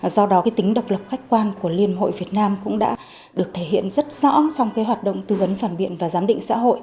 do đó tính độc lập khách quan của liên hội việt nam cũng đã được thể hiện rất rõ trong hoạt động tư vấn phản biện và giám định xã hội